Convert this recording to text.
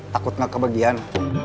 takut gak kebagian